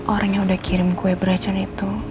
orang yang udah kirim kue beracun itu